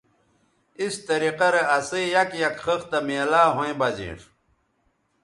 اِس طریقہ رے اسئ یک یک خِختہ میلاو ھویں بہ زینݜ